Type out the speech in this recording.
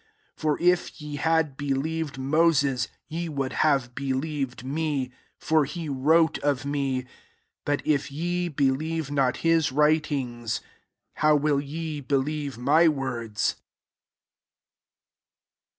46 For if ye had be^eved Moses* ye would have believed me: for he wrote of me. 47. But if ye believe not his writings, how will ye believe my words